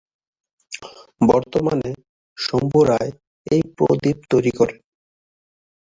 বর্তমানে শম্ভু রায় এই প্রদীপ তৈরি করেন।